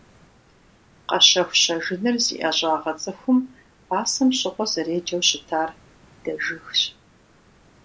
Къэщэху-щэжыныр зи ӀэщӀагъэ цӀыхум пасэм щыгъуэ зэреджэу щытар дэжыгщ.